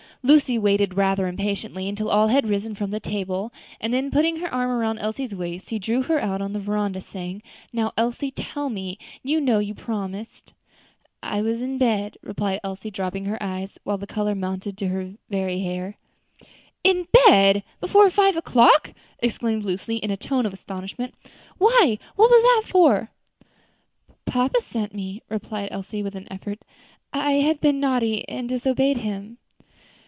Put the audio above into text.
Lucy waited rather impatiently until all had risen from the table, and then, putting her arm round Elsie's waist, she drew her out on to the veranda, saying, "now, Elsie, tell me; you know you promised." "I was in bed," replied Elsie, dropping her eyes, while the color mounted to her very hair. "In bed! before five o'clock!" exclaimed Lucy in a tone of astonishment. "Why, what was that for?" "Papa sent me," replied Elsie, with an effort. "I had been naughty, and disobeyed him."